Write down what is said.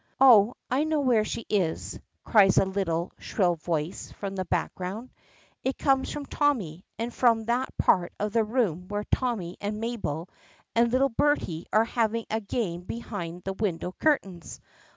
"Oh, I know where she is," cries a little, shrill voice from the background. It comes from Tommy, and from that part of the room where Tommy and Mabel and little Bertie are having a game behind the window curtains.